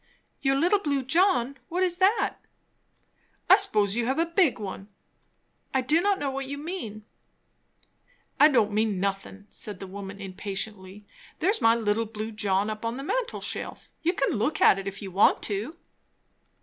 '" "Your 'little blue John'? What is that?" "I s'pose you have a big one." "I do not know what you mean." "I don't mean nothin'," said the woman impatiently. "There's my 'little blue John' up on the mantel shelf; you can look at it if you want to."